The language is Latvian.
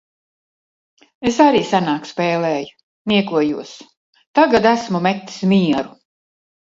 Es arī senāk spēlēju. Niekojos. Tagad esmu metis mieru.